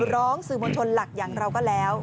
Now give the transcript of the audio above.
ร้องสื่อมวลชนหลักอย่างเราก็แล้ว